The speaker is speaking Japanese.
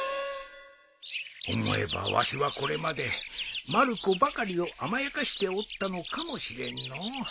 思えばわしはこれまでまる子ばかりを甘やかしておったのかもしれんのう